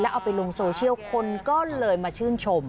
เอาไปลงโซเชียลคนก็เลยมาชื่นชม